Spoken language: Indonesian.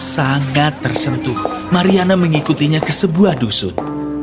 sangat tersentuh mariana mengikutinya ke sebuah dusun